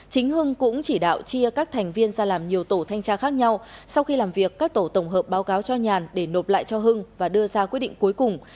chính hưng cũng chỉ đạo chia các thành viên ra làm nhiều tổ thanh tra khác nhau sau khi làm việc các tổ tổng hợp báo cáo cho nhàn để nộp lại cho hưng và đưa ra quyết định cuối cùng